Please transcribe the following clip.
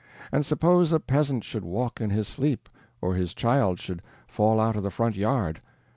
And suppose a peasant should walk in his sleep, or his child should fall out of the front yard?